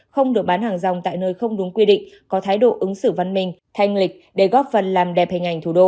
không được bán hàng rong tại nơi không đúng quy định có thái độ ứng xử văn minh thanh lịch để góp phần làm đẹp hình ảnh thủ đô